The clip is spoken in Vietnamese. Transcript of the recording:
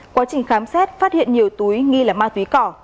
quá trình khám xét phát hiện nhiều túi nghi là ma túy cỏ